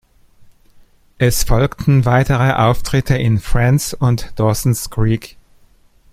Es folgten weitere Auftritte in "Friends" und "Dawson’s Creek".